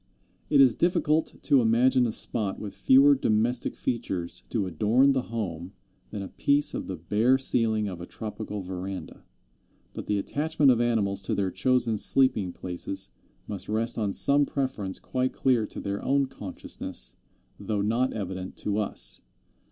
It is difficult to imagine a spot with fewer domestic features to adorn the home than a piece of the bare ceiling of a tropical veranda; but the attachment of animals to their chosen sleeping places must rest on some preference quite clear to their own consciousness, though not evident to us.